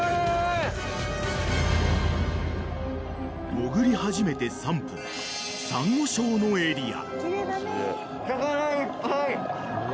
［潜り始めて３分サンゴ礁のエリア］